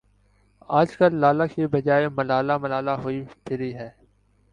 آجکل لالہ کے بجائے ملالہ ملالہ ہوئی پھری ہے ۔